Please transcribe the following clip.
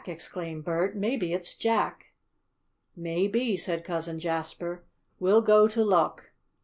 exclaimed Bert. "Maybe it's Jack!" "Maybe," said Cousin Jasper. "We'll go to look!"